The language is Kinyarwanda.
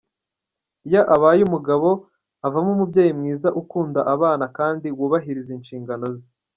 Iyo abaye umugabo, avamo umubyeyi mwiza ukunda abana kandi wubahiriza inshingano ze.